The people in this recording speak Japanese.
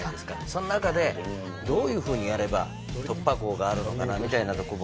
その中でどういうふうにやれば突破口があるのかなみたいなとこも。